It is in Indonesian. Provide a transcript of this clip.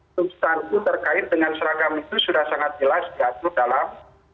substansi terkait dengan seragam itu sudah sangat jelas diatur dalam